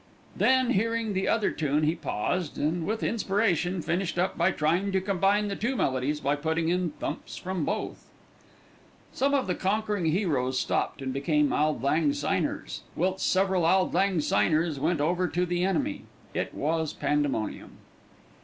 Then hearing the other tune, he paused and with inspiration finished up by trying to combine the two melodies by putting in thumps from both. Some of the Conquering Heroes stopped and became Auld Lang Syners, whilst several Auld Lang Syners went over to the enemy. It was pandemonium.